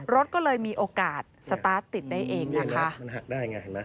รถก็เลยมีโอกาสสตาร์ทติดได้เองนะคะ